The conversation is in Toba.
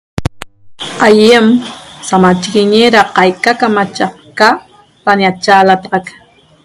Aiem se machiguiñe caica da camachaca da ñachalatexaq